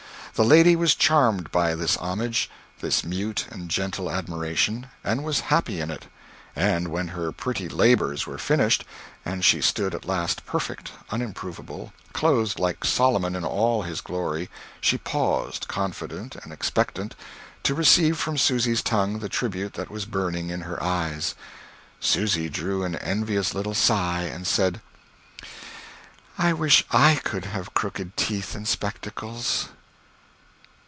The lady was charmed by this homage; this mute and gentle admiration; and was happy in it. And when her pretty labors were finished, and she stood at last perfect, unimprovable, clothed like Solomon in all his glory, she paused, confident and expectant, to receive from Susy's tongue the tribute that was burning in her eyes. Susy drew an envious little sigh and said: "I wish I could have crooked teeth and spectacles!"